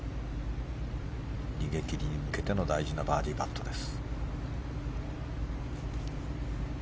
逃げ切りに向けての大事なバーディーパットです。